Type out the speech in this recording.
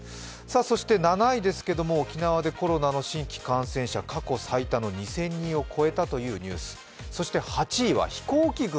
７位ですけど沖縄でコロナの新規感染者過去最多の２０００人を超えたというニュースそして８位は飛行機雲。